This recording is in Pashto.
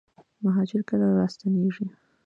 مهاجر کله راستنیږي؟